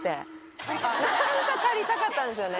何か狩りたかったんですよね。